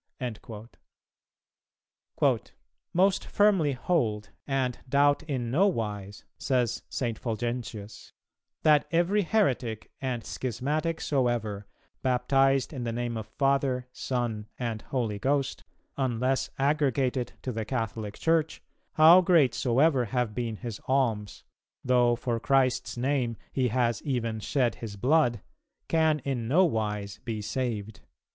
'"[270:1] "Most firmly hold, and doubt in no wise," says St. Fulgentius, "that every heretic and schismatic soever, baptized in the name of Father, Son, and Holy Ghost, unless aggregated to the Catholic Church, how great soever have been his alms, though for Christ's Name he has even shed his blood, can in no wise be saved."